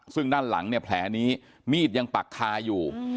ซึ่งด้านหลังเนี่ยแผลนี้มีดยังปักคาอยู่